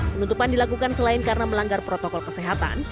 penutupan dilakukan selain karena melanggar protokol kesehatan